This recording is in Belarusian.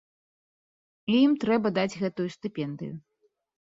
І ім трэба даць гэтую стыпендыю.